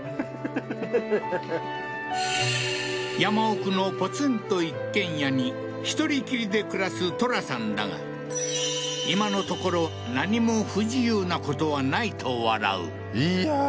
はっ山奥のポツンと一軒家に１人きりで暮らすトラさんだが今のところ何も不自由なことは無いと笑ういやー